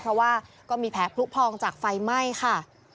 เพราะว่าก็มีแผลพลุพองจากไฟไหม้ค่ะ